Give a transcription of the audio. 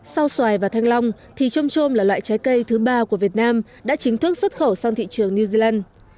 sau xoài và thanh long thì trôm trôm là loại trái cây thứ ba của việt nam đã chính thức xuất khẩu sang thị trường new zealand